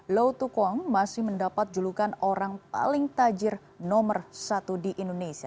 lo tukwong masih mendapat julukan orang paling tajir nomor satu di indonesia